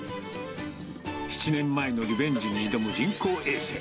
７年前のリベンジに挑む人工衛星。